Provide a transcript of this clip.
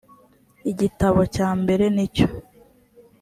igitabo cyambere nicyo.